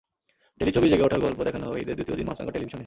টেলিছবি জেগে ওঠার গল্প দেখানো হবে ঈদের দ্বিতীয় দিন মাছরাঙা টেলিভিশনে।